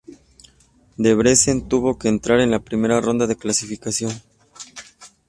Debrecen tuvo que entrar en la primera ronda de clasificación.